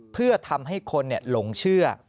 เพื่อทำให้คนหลงเชื่อ